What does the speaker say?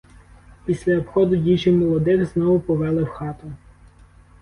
Після обходу діжі молодих знову повели в хату.